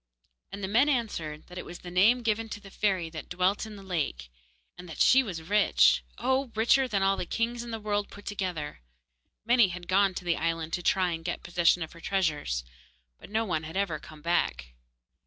And the men answered that it was the name given to the fairy that dwelt in the lake, and that she was rich oh! richer than all the kings in the world put together. Many had gone to the island to try and get possession of her treasures, but no one had ever come back.